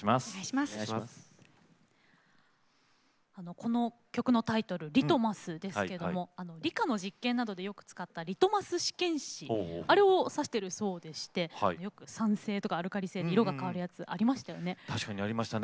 この曲のタイトルの「ＬＩＴＭＵＳ」ですけども理科の実験で、よく使っていたあのリトマス試験紙あれをさしてるそうで酸性とか、アルカリとか色が変わるやつありましたよね。